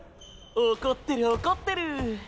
怒ってる怒ってる。